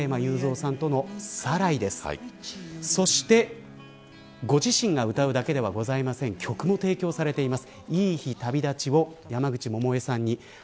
そしてご自身が歌うだけではなく曲も提供されています。